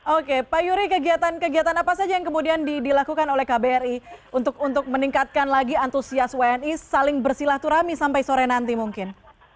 oke pak yuri kegiatan kegiatan apa saja yang kemudian dilakukan oleh kbri untuk meningkatkan lagi antusias wni saling bersilaturahmi sampai sore nanti mungkin